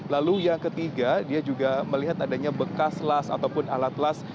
lalu yang ketiga dia juga melihat adanya bekas las ataupun alat las